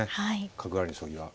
角換わりの将棋が。